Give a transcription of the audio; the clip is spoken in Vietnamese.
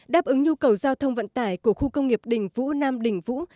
đáp ứng nhu cầu giao thông vận tải của khu công nghiệp đình vũ nam đình vũ